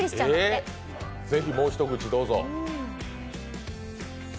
ぜひ、もう一口どうぞ。